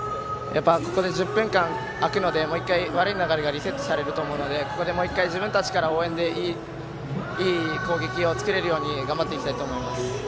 ここで１０分間空くので悪い流れがリセットされると思うので自分たちの応援でいい攻撃を作れるように頑張っていきたいと思います。